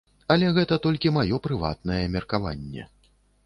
Але гэта толькі маё прыватнае меркаванне.